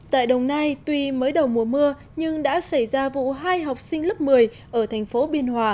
tại đồng nai tuy mới đầu mùa mưa nhưng đã xảy ra vụ hai học sinh lớp một mươi ở thành phố biên hòa